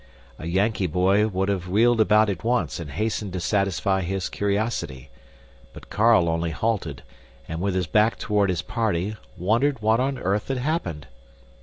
A Yankee boy would have wheeled about at once and hastened to satisfy his curiosity. But Carl only halted, and, with his back toward his party, wondered what on earth had happened.